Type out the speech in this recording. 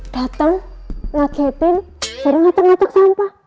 dateng gak jahitin sering ngotok ngotok sampah